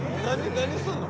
何すんの？